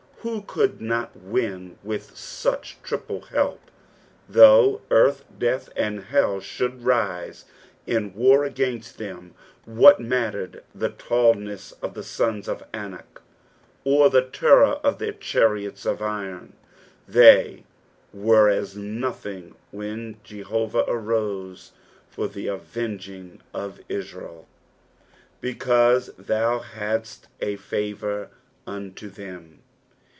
Who could not win with such triple help, though enrth, death, and hell should rise in war against him ) What mattered the tallness of the sons of A.nak, or the terror of their chariots of iron, they were as nothing ■rhen Jehovah arose for the avenging of Israel. "BeeauK thou hadtt a favour unto them."